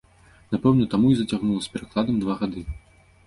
Напэўна, таму і зацягнула з перакладам два гады.